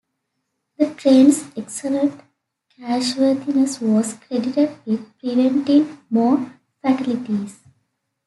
The train's excellent crashworthiness was credited with preventing more fatalities.